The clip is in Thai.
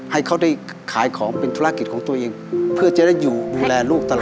ให้เขาได้ขายของเป็นธุรกิจของตัวเองเพื่อจะได้อยู่ดูแลลูกตลอด